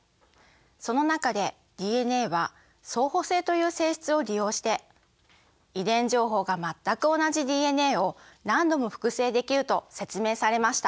その中でＤＮＡは相補性という性質を利用して遺伝情報が全く同じＤＮＡを何度も複製できると説明されました。